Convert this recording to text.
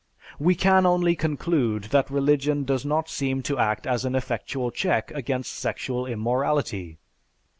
We can only conclude that religion does not seem to act as an effectual check against sexual immorality.